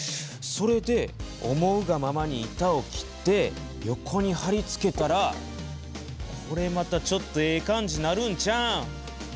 それで思うがままに板を切って横にはり付けたらこれまたちょっとええ感じなるんちゃう？